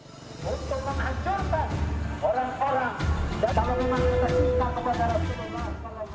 untuk menghancurkan orang orang dan pemenuhan kita cinta kepada nabi